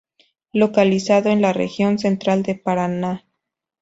Localizado en la región central de Paraná.